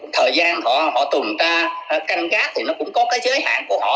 thời gian họ tùm ta canh gác thì nó cũng có cái giới hạn của họ